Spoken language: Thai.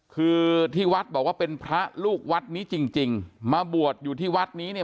คือที่วัดบอกว่าเป็นพระลูกวัดนี้จริงจริงมาบวชอยู่ที่วัดนี้เนี่ย